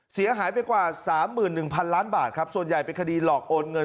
เสียหายไปกว่า๓๑๐๐๐ล้านบาทครับส่วนใหญ่เป็นคดีหลอกโอนเงิน